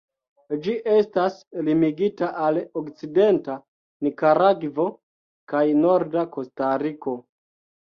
Ĝi estas limigita al okcidenta Nikaragvo kaj norda Kostariko.